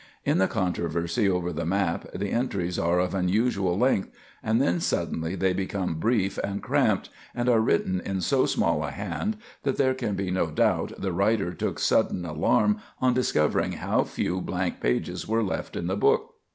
In the controversy over the map the entries are of unusual length, and then suddenly they become brief and cramped, and are written in so small a hand that there can be no doubt the writer took sudden alarm on discovering how few blank pages were left in the book.